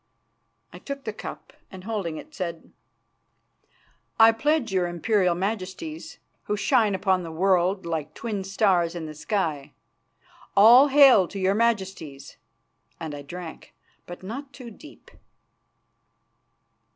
I took the cup and holding it, said: "I pledge your Imperial Majesties, who shine upon the world like twin stars in the sky. All hail to your Majesties!" and I drank, but not too deep.